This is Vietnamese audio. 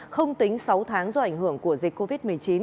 không tính sáu tháng do ảnh hưởng của dịch covid một mươi chín